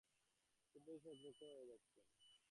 খুব বেশি সতর্কতা হয়ে যাচ্ছে?